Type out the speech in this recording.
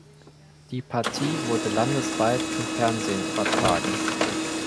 Die Partie wurde landesweit im Fernsehen übertragen.